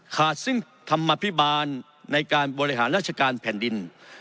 ซึ่งธรรมภิบาลในการบริหารราชการแผ่นดิน